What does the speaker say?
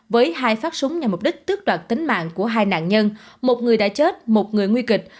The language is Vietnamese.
với hai phát súng nhằm mục đích tước đoạt tính mạng của hai nạn nhân một người đã chết một người nguy kịch